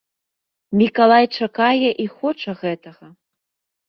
Мікалай чакае і хоча гэтага.